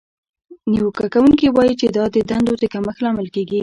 نیوکه کوونکې وایي چې دا د دندو د کمښت لامل کیږي.